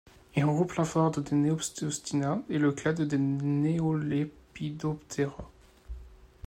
Il regroupe l'infra-ordre des Neopseustina et le clade des Neolepidoptera.